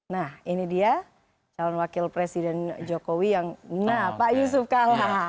nah ini dia calon wakil presiden jokowi yang nah pak yusuf kalla